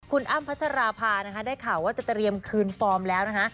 คุณอ้ำพัชราภานะคะได้ข่าวว่าจะเตรียมคืนฟอร์มแล้วนะคะ